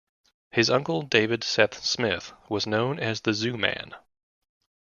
His uncle David Seth-Smith was known as the 'Zoo man'.